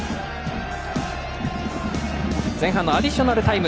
前半のアディショナルタイム。